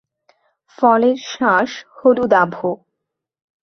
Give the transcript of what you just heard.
ফলের শাঁস হলুদাভ।